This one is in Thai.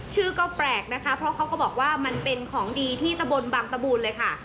ชื่อก็แปลกนะคะเพราะเขาก็บอกว่ามันเป็นของดีที่ตะบนบางตะบูนเลยค่ะ